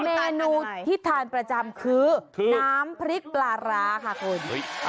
เมนูที่ทานประจำคือน้ำพริกปลาร้าค่ะคุณ